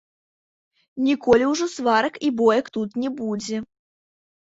Ніколі ўжо сварак і боек тут не будзе.